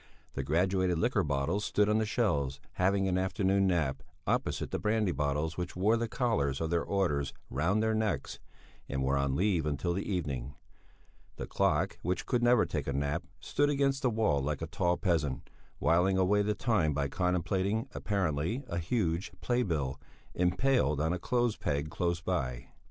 The graduated liqueur bottles stood on the shelves, having an afternoon nap, opposite the brandy bottles which wore the collars of their orders round their necks and were on leave until the evening; the clock, which could never take a nap, stood against the wall like a tall peasant, whiling away the time by contemplating, apparently, a huge playbill, impaled on a clothes peg close by.